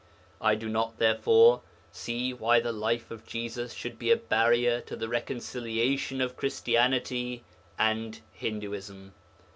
I do not, therefore, see why the Life of Jesus should be a barrier to the reconciliation of Christianity and Hinduism.